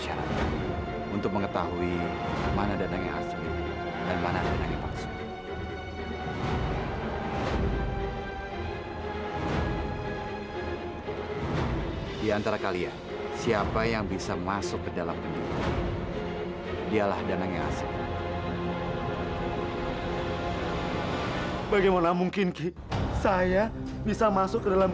kalau kamu tidak mau bertobat maka azab allah akan menimbamu